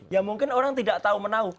ya mungkin orang tidak tahu menau